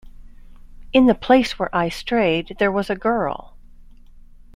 In the place where I stayed there was a girl.